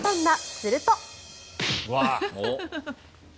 すると。